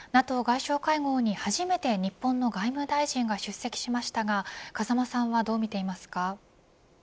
ＮＡＴＯ外相会合に、初めて日本の外務大臣が出席しましたが風間さんはどう見ていますか。